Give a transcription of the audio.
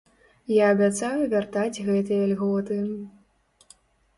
Я абяцаю вяртаць гэтыя льготы.